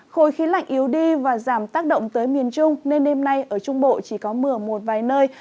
khối khí lạnh yếu đi và giảm tác động tới miền trung nên đêm nay ở trung bộ chỉ có mưa một vài nơi